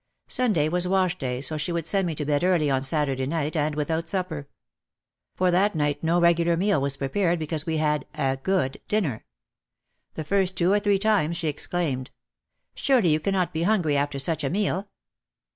Sunday was wash day so she would send me to bed early on Saturday night and without supper. For that night no regular meal was prepared because we had "a good dinner." The first two or three times she exclaimed: "Surely you cannot be hungry after such a meal!''